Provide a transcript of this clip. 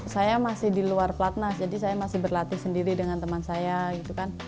saya masih di luar platnas jadi saya masih berlatih sendiri dengan teman saya gitu kan